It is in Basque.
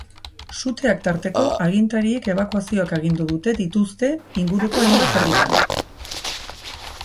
Suteak tarteko, agintariek ebakuazioak agindu dute dituzte inguruko hainbat herritan.